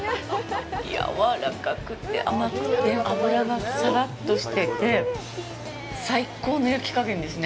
やわらかくて甘くて脂がさらっとしてて、最高の焼き加減ですね。